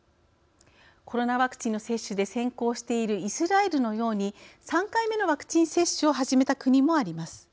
コロナワクチンの接種で先行しているイスラエルのように３回目のワクチン接種を始めた国もあります。